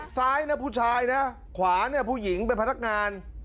ซ้ายนะผู้ชายนะขวาเนี่ยผู้หญิงเป็นพนักงาน